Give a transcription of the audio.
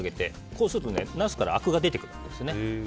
こうすると、ナスからあくが出てくるんですね。